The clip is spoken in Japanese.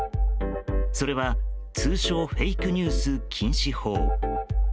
それは通称、フェイクニュース禁止法。